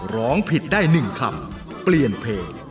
ร้องผิดได้๑คำเปลี่ยนเพลง